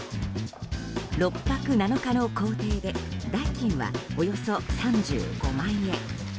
６泊７日の行程で代金はおよそ３５万円。